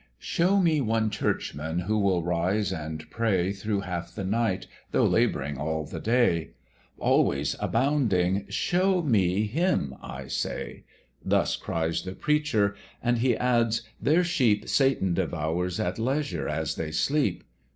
"Show me one Churchman who will rise and pray Through half the night, though lab'ring all the day, Always abounding show me him, I say:" Thus cries the Preacher, and he adds, "Their sheep Satan devours at leisure as they sleep.